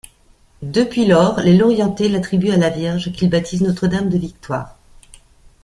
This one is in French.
Depuis lors, les Lorientais l'attribuent à la Vierge qu'ils baptisent Notre-Dame de Victoire.